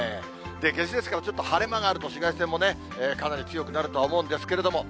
夏至ですから、ちょっと晴れ間があると、紫外線もかなり強くなるとは思うんですけれども。